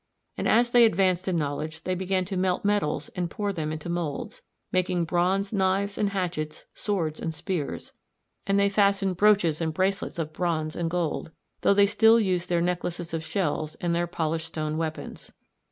And as they advanced in knowledge they began to melt metals and pour them into moulds, making bronze knives and hatchets, swords and spears; and they fashioned brooches and bracelets of bronze and gold, though they still also used their necklaces of shells and their polished stone weapons.